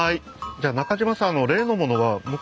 じゃあ中島さんＯＫ。